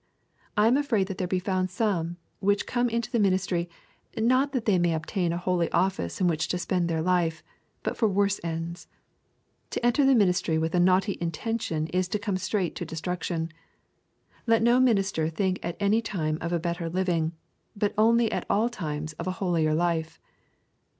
I am afraid that there be found some which come into the ministry, not that they may obtain a holy office in which to spend their life, but for worse ends. To enter the ministry with a naughty intention is to come straight to destruction. Let no minister think at any time of a better living, but only at all times of a holier life.